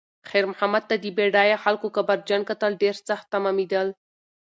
خیر محمد ته د بډایه خلکو کبرجن کتل ډېر سخت تمامېدل.